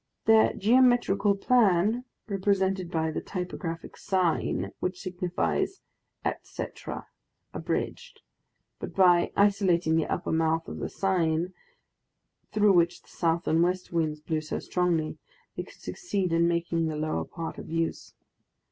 Their geometrical plan represented the typographical sign "&," which signifies "et cetera" abridged, but by isolating the upper mouth of the sign, through which the south and west winds blew so strongly, they could succeed in making the lower part of use.